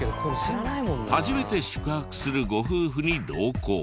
初めて宿泊するご夫婦に同行。